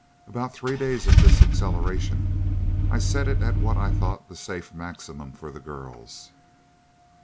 "About three days at this acceleration. I set it at what I thought the safe maximum for the girls.